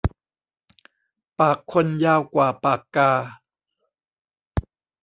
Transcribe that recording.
ปากคนยาวกว่าปากกา